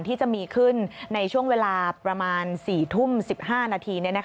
ที่จะมีขึ้นในช่วงเวลาประมาณ๔ทุ่ม๑๕นาที